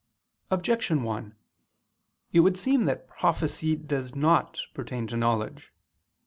Objection 1: It would seem that prophecy does not pertain to knowledge.